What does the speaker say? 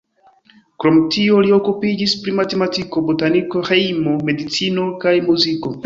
Krom tio li okupiĝis pri matematiko, botaniko, ĥemio, medicino kaj muziko.